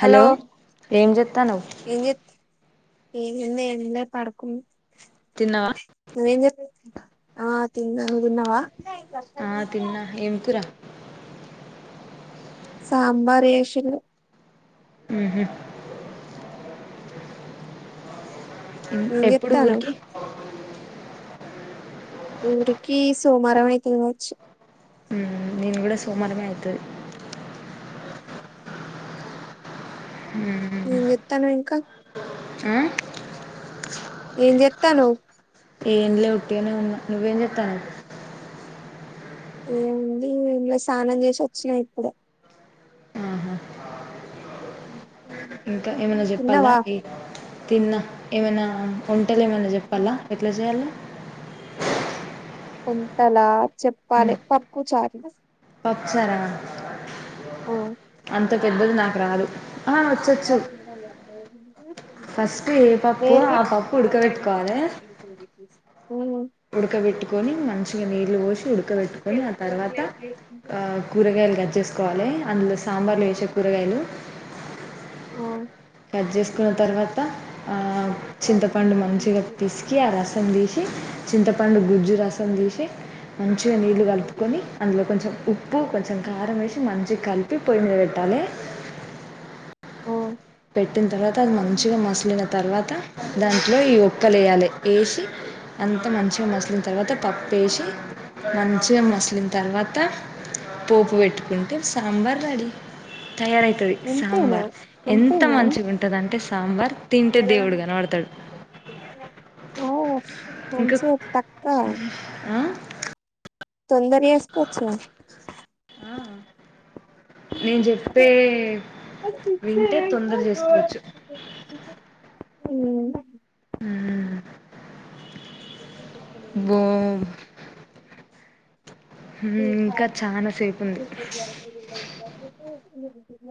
Hello ఏం చెత్తానవ్ ఎంజెత్ ఏం ఉంది ఎండ పడుకునా తిన్నవా ఆ తిన్న నువ్వు తిన్నావా ఆ తిన్నా ఏం కురా సాంబార్ చెశిరు ఉంహు ఏం ఎప్పుడు చేత్తన్నావ్ ఊరికి ఊరికి సోమారమైతది కావొచ్చు ఉమ్ నిన్ కూడా సోమారమే అయితది ఏంచేతానవ్ ఇంకా ఆ ఏం చేతానవ్ ఎమ్లే ఉట్టిగనే ఉన్న నువ్వేం చెత్తనవ్ ఏముంది ఎమ్లే స్నానం చేసి వచ్చిన ఇప్పుడే ఆహా ఇంకా ఏమైనా చెప్పాలా తిన్నావా తిన్నా ఏమైనా వంటలు ఏమనా చెప్పాలా ఎట్లా చేయాలి వంటల చెప్పాలి పప్పుచారు పాపచర్ ఉ అంత పెద్దది నాకు రాదు ఆ వచ్చొచ్చు ఫస్ట్ ఏ [inaudible] పప్పు రేపే ఆ [unintelligible] పప్పు ఉడకబెట్టుకోవాలే ఉడకబెట్టుకొని మంచిగా నీళ్లు పోసి ఉడకబెట్టుకొని ఆ తర్వాత ఆ కూరగాయలు కట్ చేసుకోవాలె అందులో సాంబర్లో వేసే కూరగాయలు [inaudible] ఆ కట్ చేసుకున్న తర్వాత ఆహ్ చింతపండు మంచిగా పిసికి ఆ రసం తీసి చింత పండు గుజ్జు రసం తీసి మం మంచిగా నీళ్ళు కలుపుకొని అందులో కొంచెం ఉప్పు కొంచెం కారం వేసి మంచిగా కలిపి పొయ్యి మీద పెట్టాలె [inaudible] ఆ పెట్టిన్ తర్వాత అది మంచిగా మసలిన తర్వాత దాంట్లో ఈ ఉక్కలు ఏయాలే వేసి అంతా మంచిగా మసలిన తర్వాత పప్పు వేసి మం చిగా మసలిన తర్వాత పోపు పేట్టుకుంటే సాంబార్ రెడీ తయారయితది అంతేనా సాంబార్ ఎంతా అంతేనా మంచిగా ఉంటదంటే సాంబార్ తింటే దేవుడు కనబడతడు ఓ మంచిగా టక ఆ తొందర చేస్కోవచ్చునా ఆ నేను చెప్పే ఆ సిక్స్ వింటే తొందర చేసుకోవచ్చు [unintelligible] ఉమ్ ఉమ్ బొమ్ [inaudible] చాలాసేపు ఉంది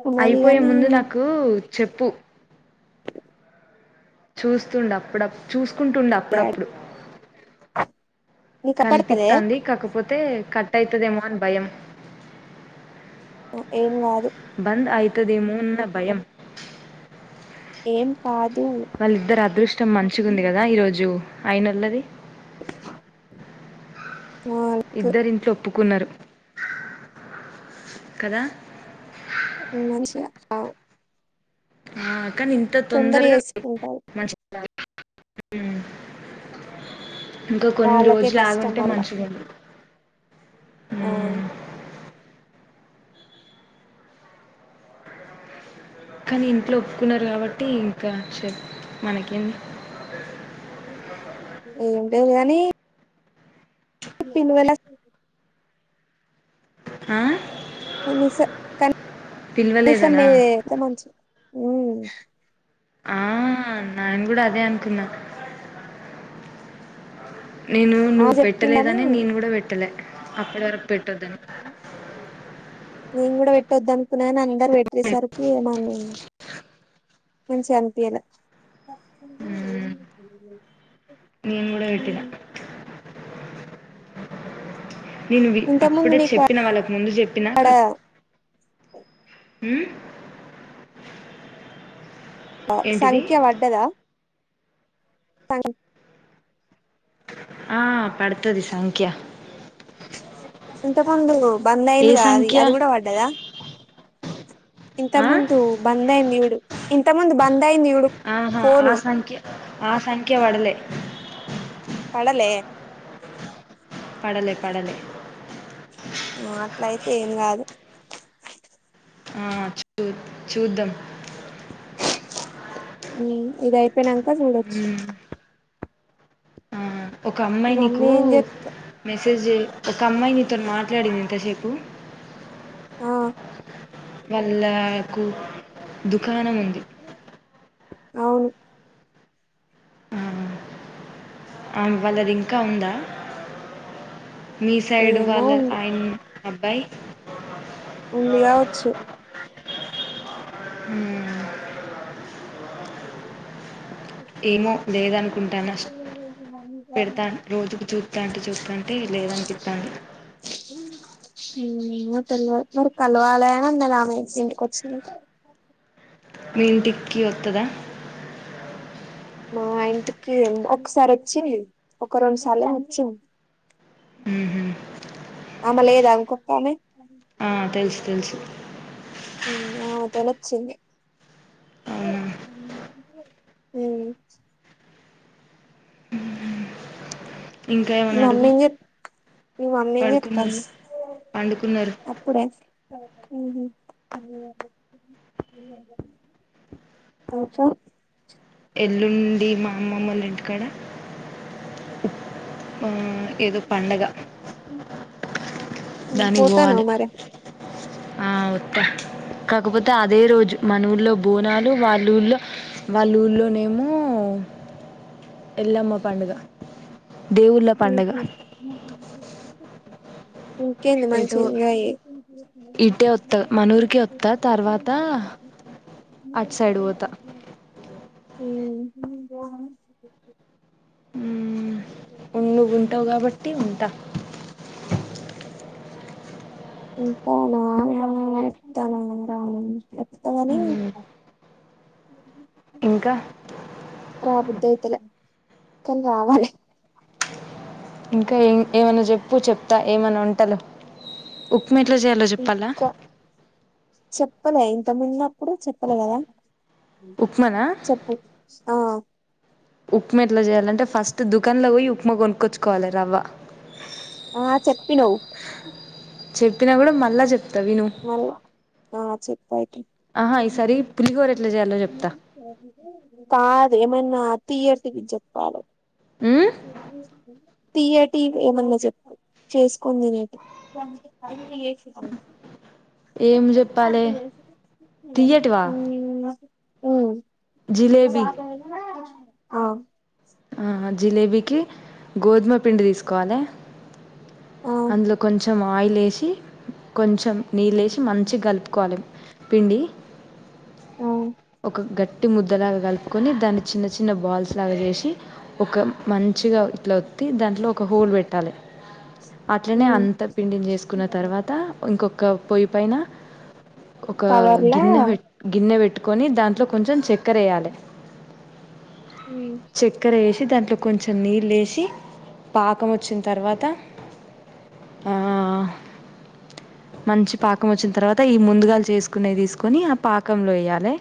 ఉన్నది అయిపోయే గాని ముందు నాకు చెప్పు చూస్తుండు అప్పుడప్ చూసుకుంటుండు డాడ్ అప్పుడప్పుడు నీకు అపడతలే కనిపితాంది కాకపోతే కట్ అయితదేమో అని భయం ఏం గాదు ఏమో అన భయం ఏం కాదు వాళ్ళయిద్దరి అదృష్టం మంచిగా ఉంది కదా ఈరోజు అయినాలది వాల్క్ ప్పుకున్నారు కదా మంచిగా అ ఆ కాని ఇంత తొందరగా చేసుకుంటారు మంచి హ్మ్ ఇంకా కొన్ని వాళ్ళకే రోజులు కష్టం ఆగుంటే మళ్ళ మంచిగుండు ఆ మ్మ్ కానీ ఇంట్లో ఒప్పుకున్నారు కాబట్టి ఇంకా చెప్ మనకేంది ఏం లేదు గానీ పిన్వాలక్ ఆ కనీస కన్ కనీసం పిలవలేదనా ఈ ఆ మంచిగా ఆ నానుకూడా అదే అనుకున్నా నేను ఆ నువ్వు పెట్టలేదని నేను చెప్పిందని కూడా పెట్టలే అప్పటి వరకు పెట్టొద్దని నేను కూడా పెట్టదను నేను అందరు పెట్టేసరికి మన్ మంచిగా అనిపియాల హుమ్ నేను కూడా వెటిన నేను వి ఇంత ముందు అప్పుడే నీకు చెప్పిన వాళ్ళకు ముందు చెప్పినా అక్కడ క మ్ ఏంటిది సంఖ్య వడ్డదా సంగ ఆ పడుతది సంఖ్య ఇంతకందు బంద్ ఏ అయింది కద సంఖ్య అది కూడా పడ్డదా ఇంత ఆ ముందు బందయది జూడు ఇంత ముందు బంద్ అయింది చూడు ఆహా ఆ ఫోను సంఖ్య ఆ సంఖ్య వడలే పడలే పడలే పడలే మాట్లయితే ఏం కాదు ఆ చూ చూద్దాం ఇదయిపోయినంక చూడొచ్చు మ్మ్ ఆ ఒక అమ్మాయి మమ్మీ నీకు ఏం చెప్ మెసేజ్ ఒక అమ్మాయి నీతో మాట్లాడింది ఇంత సేపు ఆ వాళ్ళకు దుకాణం ఉంది అవును ఆ ఆ వాళ్ళది ఇంకా ఉందా మీ సైడ్ ఏమో వాళ్ళ ఉంది ఆయన అబ్బాయి ఉంది కావచ్చు ఉమ్ ఏమో లేదనుకుంటాను పెడతాను రోజుకు చూతా అంటే చూస్తాంటే లేదనిపితాంది మ్ తెల్ మరి కలవాలనా నలా ఆమె ఇంటికొచ్చి మీ ఇంటికి ఓత్తదా మా ఇంటికి ఒకసారి వచ్చింది ఒక రెండు సార్లు ఏమో వొచింది ఉమ్ హు ఆమె లేదా ఇంకొక ఆమె ఆ తెలుసు తెలుసు మ్ ఆమె తినొచ్చింది అవునా ఉమ్ ఇంకా ఏమన్నా అడుగు మమ్మీ ఏం చెప్ మీ మమ్మీ ఏం పడుకున చెప్తాంది పండుకున్నారు అప్పుడే తాత ఎల్లుండి మా అమ్మమ్మ ఒళ్ళ ఇంటికాడ మ్ ఏదో పండగ పోతనవ మరి ఓత కాకపోతే అదే రోజు మన ఊళ్లో బోనాలు వాళ్ళ ఊళ్లో వాళ్ళ ఊర్లోనేమో ఎల్లమ్మ పండుగ దేవుళ్ళ పండగ ఇంకేంది ఎటో మంచిగా ఎంజాయ్ చెయ్ ఇటే ఒత్త మనూరికి ఒత్త తర్వాత అటు సైడ్ పోతా ఇం ఫోన్ ఉమ్ నువ్వు ఉంటావ్ కాబట్టి ఉంటా ఉంటాను ఒత్తానో రాను తగని ఇంకా తన్ రావాలి ఇంకా ఏ ఏమన్నా చెప్పు చెప్తా ఏమన్నా వంటలు ఎట్లా చేయాలో చెప్పాలా ఇంకా చెప్పలే ఇంతమున్నప్పుడు చెప్పలే కదా ఉప్మానా చెప్పు ఆ ఉప్మా ఎట్లా చేయాలంటే ఫస్ట్ దుకాన్ లో వోయి ఉప్మా కొనుక్కొచ్చుకోవాలి రవ్వ. ఆ చెప్పినవ్ చెప్పిన కూడా మళ్ళా చెప్ మల్ల ఆ చెప్పుయితే ఆహా ఈసారి పులిహోర ఎట్లా చేయాలో చెప్తా [unintelligible] కాదు ఎమన్న తీయటి వి జెప్పాలి ఉమ్ తియటివి ఏమన్నా చెప్పు చేసుకోని తినేటివి మా ఏం ఫ్రెండ్స్ చెప్పాలే నాల్గుర్ చేసిర్రు తియ్యటివా [unintelligible] ఊ ఉగ్ జిలేబీ చాలైన ఆ ఆ జిలేబీకి గోధుమ పిండి తీసుకోవాలి ఆ అందులో కొంచెం ఆయిల్ ఏశి కొంచెం నీళ్ళేసి మంచిగా గలుపుకోవాలి పిండి ఆ ఒక గట్టి ముద్దలాగా కలుపుకొని దాన్ని చిన్న చిన్న బాల్స్ లాగా చేసి ఒక మంచి మంచిగా ఇట్లా వత్తి దాంట్లో ఒక హోల్ పెట్టాలె అట్లనే ఉమ్ అంత పిండిని చేసుకున్న తర్వాత ఇంకొ ఒక పొయ్య పైన ఒక కవర్లా గిన్నె వెట్ గిన్నే వెట్టు కొని దాంట్లో కొంచం చెక్కర వేయాలి. ఉమ్ చెక్కెర వేస్ దాంట్లో కొంచెం నీళ్ళు ఏసి పాకం వచ్చిన తర్వాత ఆ మంచి పాకం వచ్చిన తర్వాత, ఈ ముందుగాల చేసుకునేవి, తీసుకొని ఆ పాకంలో వేయాలి.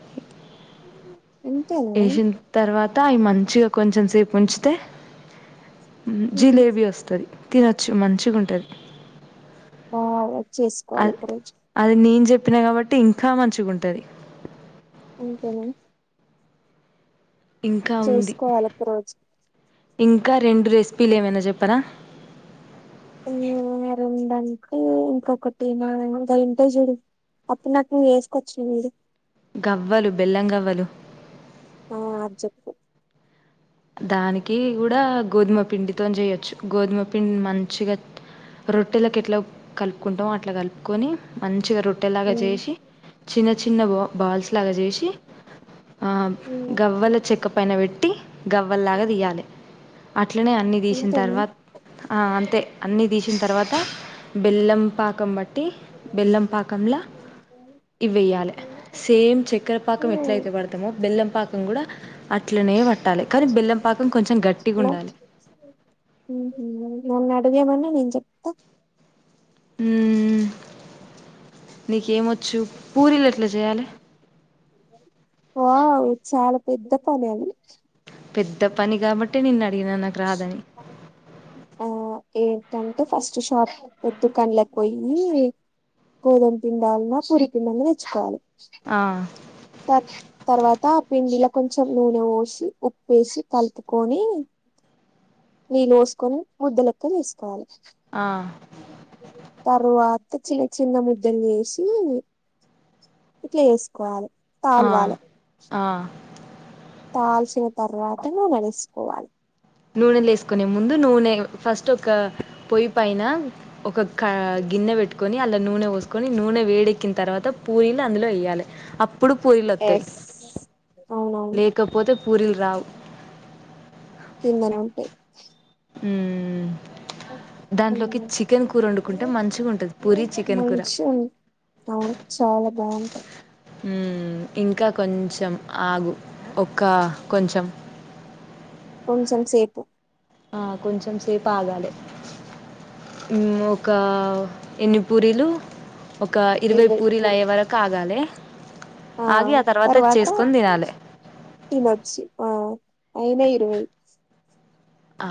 అంతేనా వేసిన్ తర్వాత అవి మంచిగా కొంచెం సేపు ఉంచు తే ఉమ్. జిలేబీ వస్తది తినొచ్చు మంచిగా ఉంటది బాగా చేసుకోవాలి అది ఒక రోజు అది నేన్ జెప్ తున్న కాబట్టి ఇంకా మంచిగా ఉంటది అంతేనా ఇంకా ఉంది చేసుకోవాలి ఒక రోజు ఇంకా రెండు రెసిపీలు ఏమైనా జెప్పనా రెండంటే ఇంకొకటి ఏమో ఇంటే జూడు అప్పుడు నాకు నువ్వు వేసుకొచ్చినవ్ చూడు గవ్వలు బెల్లం గవ్వలు అ అది జెప్పు దానికి కూడా గోధుమ పిండితోని చేయొచ్చు. గోధుమ పిండి మంచిగా రొట్టెలకు ఎట్ల కలుపుకుంటామో అట్లా కలుపుకొని మంచిగా రొ ట్టెలాగా ఉమ్. జేషి చిన్న చిన్న బ బాల్స్ లాగా చేసి ఉమ్. గవ్వల చెక్క పైన వెట్టి గవ్వల్లాగా తీయాలి అట్లనే అన్ని తీసిన అంతేనా తర్వాత ఆ అంతే అన్నీ తీసిన తర్వాత బెల్లం పాకం బట్టి బెల్లం పాకంల ఇవ్ వెయ్యాల సేమ్ చెక్కర పాకం ఎట్లా అయితే హలో పడతామో బెల్లం పాకం గుడా అట్లనే పెట్టాలి కానీ బెల్లంపాకం కొంచెం గట్టిగ ఉండాలి అదేమన్నా నేను చెప్తా ఊ నీకేమో చు పూరీలు ఎట్లా చేయాలి వావ్ చాలా పెద్ద పనే అది పెద్ద పని కాబట్టె నిన్న ఆ ఏ తనకే ఫస్ట్ షాప్ ఉత్తుకొనాలకు పోయి గోధుమ పిండైనా పూరి పిండైనా తెచ్చుకోవాలి ఆ త తర్వాత ఆ పిండిలో కొంచెం నూనె వోషి ఉప్పేషి కలుపుకొని నీళ్ళు లోస్కుని ముద్దలెక్క జేసుకోవాలి ఆ తరువా త చిన్న చిన్న ముద్దలు జేసి ఇట్లా జేస్కోవాలె ఆ తాల్ వాలె ఆ తాల్చిన తర్వాత నూనె ఏస్కోవాలి నూనె లేేసుకునే ముందు నూనె ఫస్ట్ ఒక పొయ్యి పైన ఒక కా గిన్నె వెట్టుకొని ఆన్ల నూనె వోసుకొని నూనె వేడెక్కిన తర్వాత పూరీని అందులో ఏయాలె ఆప్పుడు పూరీలోతై ఎస్ అవునవును లేకపోతే పూరీలు రావు కిందనుంటాయి ఉమ్ దాంట్లోకి చికెన్ కూర వండుకుంటే మంచ్చిగుంటది పూరి చికెన్ కూర మంచి అవును చాలా బ్యాన్ ఉమ్ ఇంకా కొంచ్చం ఆగు ఒక్క కొంచం కొంసం సేపు ఆ కొంచెం సేపు ఆగాలె ఉమ్ ఒక్కా ఎన్ని పూరీలు ఒకా ఇరవై పూరీలు అయ్యే వరకు ఆగాలె ఆ ఆగి తర్వాత చేసుకొని తినాలె. తినొచ్చి ఆహ్ ఆయనై ఇరవై ఆ